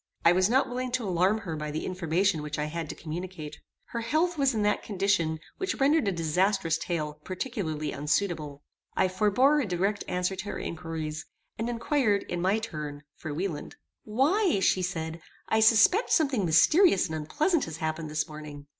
I was not willing to alarm her by the information which I had to communicate. Her health was in that condition which rendered a disastrous tale particularly unsuitable. I forbore a direct answer to her inquiries, and inquired, in my turn, for Wieland. "Why," said she, "I suspect something mysterious and unpleasant has happened this morning.